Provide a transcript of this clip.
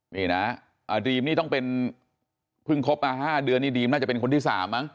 นี่นะดีมนี่ต้องเป็นเพิ่งคบมา๕เดือนนี่ดีมน่าจะเป็นคนที่๓มั